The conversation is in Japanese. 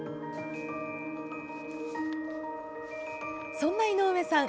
そんな井上さん